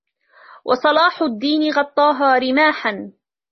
و صلاح الدين غطاها رماحا